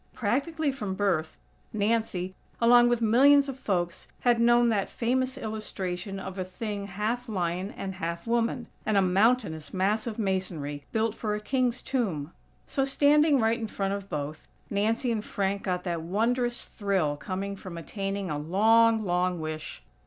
Practically from birth, Nancy, along with millions of folks, had known that famous illustration of a thing half Lion and half woman; and a mountainous mass of masonry, built for a king's tomb. So, standing right in front of both, Nancy and Frank got that wondrous thrill coming from attaining a long, long wish.